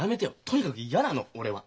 とにかく嫌なの俺は！